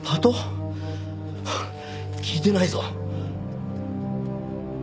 聞いてないぞ。